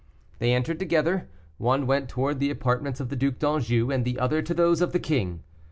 They entered together; one went towards the apartments of the Duc d'Anjou, and the other to those of the king.